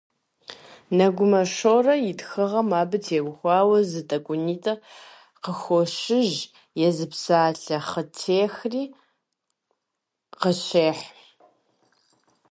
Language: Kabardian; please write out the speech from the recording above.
Нэгумэ Шорэ и тхыгъэм абы теухуауэ зы тӀэкӀунитӀэ къыхощыж, езы псалъэ «хъытехри» къыщехь.